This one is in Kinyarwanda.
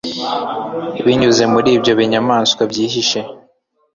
Binyuze muri ibyo binyamanswa byihishe